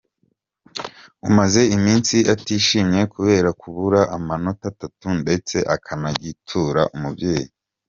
umaze iminsi atishimye kubera kubura amanota atatu ndetse akanagitura umubyeyi